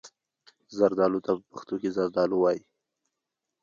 زردالو ته په پښتو کې زردالو وايي.